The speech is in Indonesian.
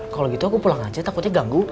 kalau gitu aku pulang aja takutnya ganggu